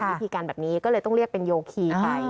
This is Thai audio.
วิธีการแบบนี้ก็เลยต้องเรียกเป็นโยคีไป